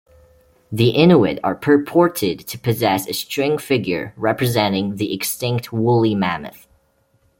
The Inuit are purported to possess a string figure representing the extinct woolly mammoth.